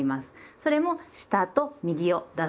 それも下と右を出す。